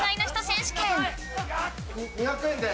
２００円で。